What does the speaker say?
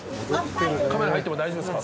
カメラ入っても大丈夫ですか？